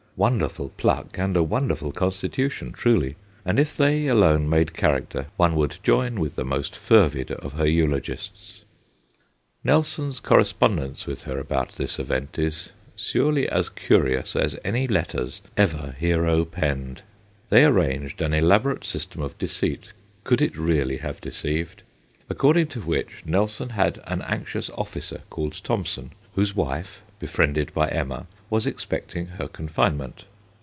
Wonderful pluck, and a won derful constitution truly ; and if they alone made character one would join with the most fervid of her eulogists. Nelson's cor respondence with her about this event is surely as curious as any letters ever hero penned. They arranged an elaborate system of deceit could it really have deceived ? according to which Nelson had an anxious officer called Thomson, whose wife, befriended by Emma, was expecting her confinement.